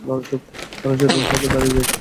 কারণ শয়তান ফাঁকে দাঁড়িয়ে যায়।